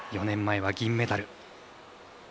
４年前は銀メダル。